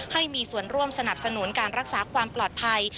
ให้มีส่วนร่วมสนับสนุนการรักษาความปลอดภัย